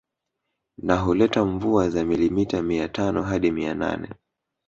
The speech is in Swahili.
Na huleta mvua za milimita mia tano hadi mia nane